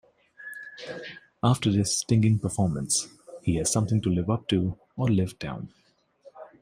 After this stinging performance, he has something to live up to-or live down.